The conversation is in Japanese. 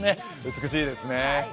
美しいですね。